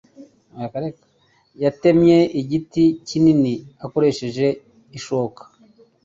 Yatemye igiti kinini akoresheje ishoka.